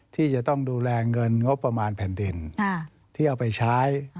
ที่จะต้องดูแลเงินงบประมาณแผ่นดินที่เอาไปใช้